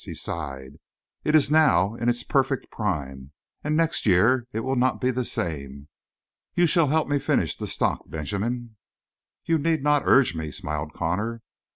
He sighed. "It is now in its perfect prime and next year it will not be the same. You shall help me finish the stock, Benjamin." "You need not urge me," smiled Connor.